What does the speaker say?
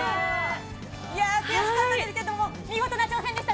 いやぁ、悔しかったですけれども、見事な挑戦でした。